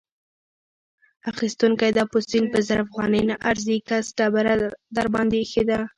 اخيستونکی: دا پوستین په زر افغانۍ نه ارزي؛ کس ډبره درباندې اېښې ده.